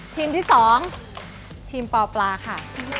ทีมที่๒ทีมปอปลาค่ะ